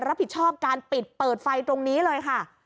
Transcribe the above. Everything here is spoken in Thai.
รับผิดชอบการปิดเปิดไฟตรงนี้เลยค่ะ